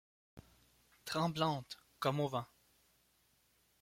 Tremblante, comme au vent